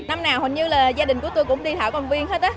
năm nào hình như là gia đình của tôi cũng đi thảo cầm viên hết